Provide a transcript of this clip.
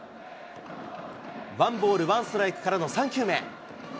ワンボールワンストライクからの３球目。